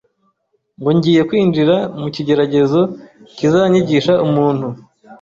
ngo ngiye kwinjira mu kigeragezo kizanyigisha umuntu